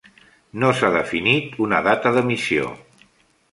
No s'ha definit una data d'emissió.